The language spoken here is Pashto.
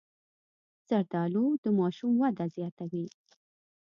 زردالو د ماشوم وده زیاتوي.